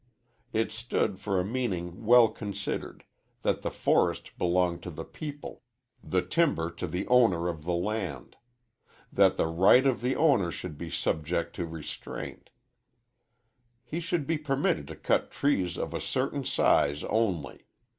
It stood for a meaning well considered that the forest belonged to the people, the timber to the owner of the land; that the right of the owner should be subject to restraint. He should be permitted to cut trees of a certain size only.